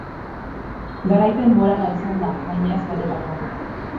Garaipen morala izan da, baina ez benetakoa.